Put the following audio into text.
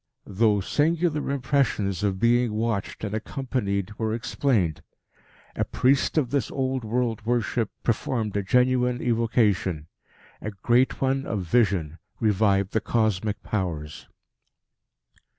Those singular impressions of being watched and accompanied were explained. A priest of this old world worship performed a genuine evocation; a Great One of Vision revived the cosmic Powers.